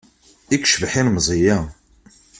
I yecbeḥ ilemẓi-a!